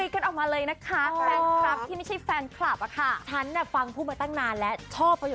คุณโมเมนท์เรียกว่าแฟนไหมครับ